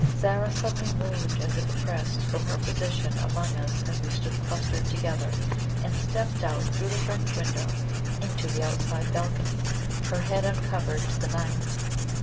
Zara suddenly moved, as if oppressed, from her position among us as we stood clustered together, and stepped out through the French window into the outside balcony, her head uncovered to the night.